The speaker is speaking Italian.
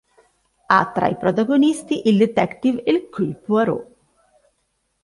Ha tra i protagonisti il detective Hercule Poirot.